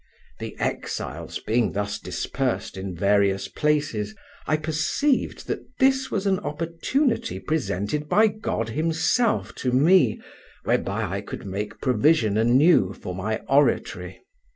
The exiles being thus dispersed in various places, I perceived that this was an opportunity presented by God himself to me whereby I could make provision anew for my oratory.